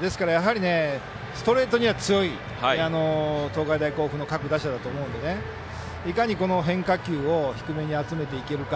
ですから、やはりストレートには強い東海大甲府の各打者だと思うのでいかにこの変化球を低めに集めていけるか。